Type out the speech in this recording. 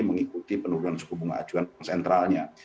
mengikuti penurunan suku bunga acuan bank sentralnya